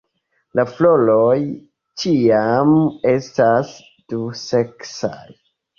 La floroj ĉiam estas duseksaj.